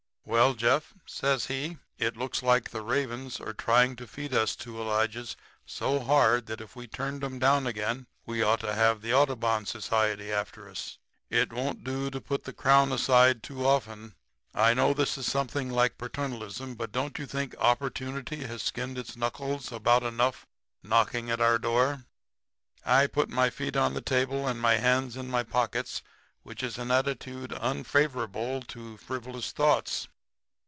"'Well, Jeff,' says he, 'it looks like the ravens are trying to feed us two Elijahs so hard that if we turned 'em down again we ought to have the Audubon Society after us. It won't do to put the crown aside too often. I know this is something like paternalism, but don't you think Opportunity has skinned its knuckles about enough knocking at our door?' "I put my feet up on the table and my hands in my pockets, which is an attitude unfavorable to frivolous thoughts.